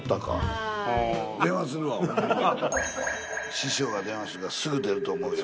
師匠が電話してるからすぐ出ると思うよ。